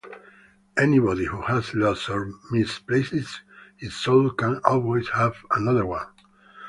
Anybody who has lost or misplaced his soul can always have another one.